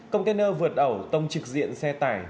container vượt ẩu tông trực diện xe tải